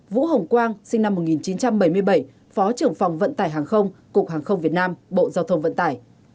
vũ hồng quang sinh năm một nghìn chín trăm bảy mươi bảy phó trưởng phòng vận tải hàng không cục hàng không việt nam bộ giao thông vận tải